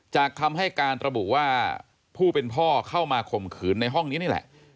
คำให้การระบุว่าผู้เป็นพ่อเข้ามาข่มขืนในห้องนี้นี่แหละ